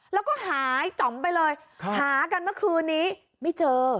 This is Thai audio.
แล้วก็หายจ๋อมไปเลยหากันเมื่อคืนนี้ไม่เจอ